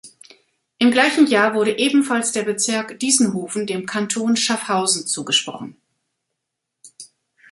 Im gleichen Jahr wurde ebenfalls der Bezirk Diessenhofen dem Kanton Schaffhausen zugesprochen.